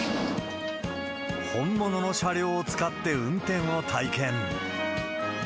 本物の車両を使って運転を体験。